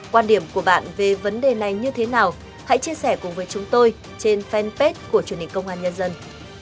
quan điểm của bạn về vấn đề này như thế nào hãy chia sẻ cùng với chúng tôi trên fanpage của truyền hình công an nhân dân